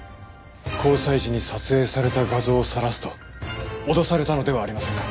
交際時に撮影された画像をさらすと脅されたのではありませんか？